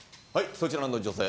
そちらの女性。